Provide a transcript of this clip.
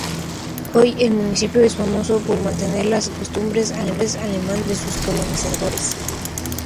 Hoy, el municipio es famoso por mantener las costumbres alemanas de sus colonizadores.